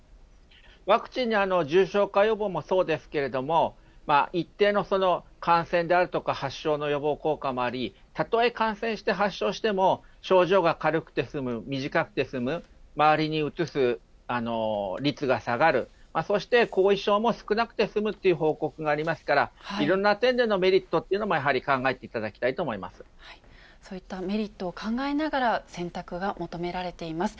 ワクチンには、重症化予防もそうですけれども、一定の感染であるとか発症の予防効果もあり、たとえ感染して発症しても、症状が軽くて済む、短くて済む、周りにうつす率が下がる、そして後遺症も少なくて済むっていう報告がありますから、いろんな点でのメリットというのも、やはり考えていただきたいとそういったメリットを考えながら、選択が求められています。